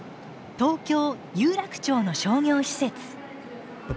東京・有楽町の商業施設。